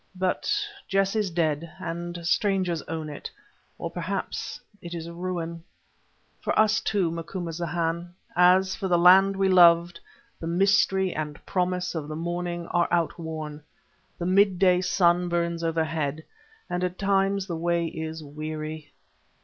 But Jess is dead, and strangers own it, or perhaps it is a ruin. For us too, Macumazahn, as for the land we loved, the mystery and promise of the morning are outworn; the mid day sun burns overhead, and at times the way is weary.